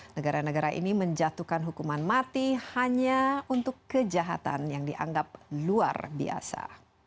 negara negara ini menjatuhkan hukuman mati hanya untuk kejahatan yang dianggap luar biasa